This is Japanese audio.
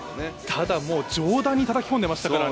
ただ上段にたたき込んでいましたからね。